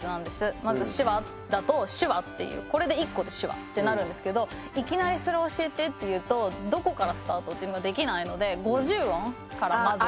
まず「手話」だと「手話」っていうこれで１個で「手話」ってなるんですけどいきなりそれ教えてって言うとどこからスタートっていうのができないので５０音からまずは。